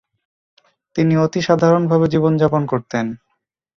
তিনি অতি সাধারণভাবে জীবনযাপন করতেন।